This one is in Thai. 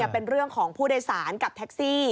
เป็นเรื่องของผู้โดยสารกับแท็กซี่